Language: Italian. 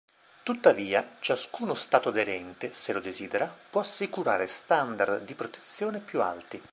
Tuttavia, ciascuno Stato aderente, se lo desidera, può assicurare standard di protezione più alti.